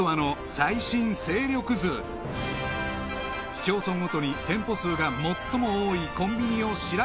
［市町村ごとに店舗数が最も多いコンビニを調べると］